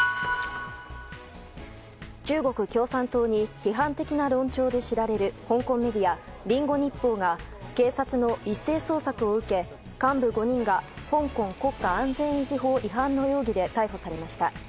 中国共産党に批判的な論調で知られる香港メディア・リンゴ日報が警察の一斉捜索を受け幹部５人が香港国家安全維持法違反の容疑で逮捕されました。